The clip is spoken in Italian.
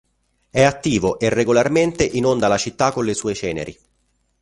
È attivo e regolarmente inonda la città con le sue ceneri.